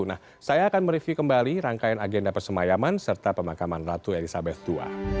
nah saya akan mereview kembali rangkaian agenda persemayaman serta pemakaman ratu elizabeth ii